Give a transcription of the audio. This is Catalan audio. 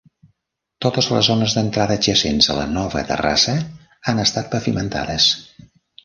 Totes les zones d'entrada adjacents a la nova terrassa han estat pavimentades.